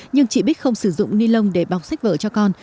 nhưng chị bích không sử dụng ni lông để bọc sách vở cho con